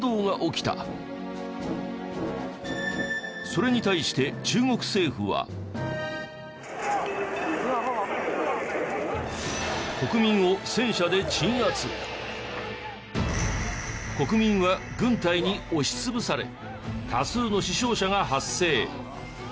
それに対して中国政府は。国民は軍隊に押し潰され多数の死傷者が発生。